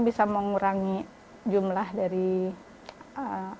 bisa mengurangi jumlah dari ee